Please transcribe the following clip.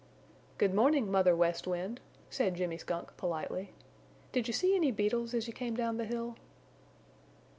"Good morning, Mother West Wind," said Jimmy Skunk, politely. "Did you see any beetles as you came down the hill?"